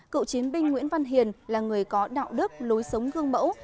cựu chiến binh nguyễn văn hiền là người có đạo đức lối sống gương mẫu